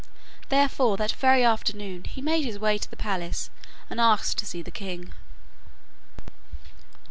Therefore that very afternoon he made his way to the palace and asked to see the king.